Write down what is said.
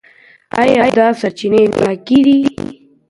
ايا دا سرچينې پاکي دي؟